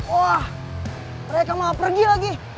wah mereka mau pergi lagi